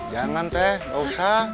jangan teh gak usah